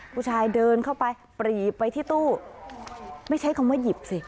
ผู้ชายเดินเข้าไปปรีไปที่ตู้ไม่ใช้คำว่าหยิบสิ